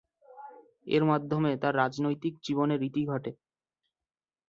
এর মাধ্যমে তার রাজনৈতিক জীবনের ইতি ঘটে।